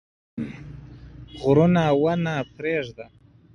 غرونه ونه پرېږده.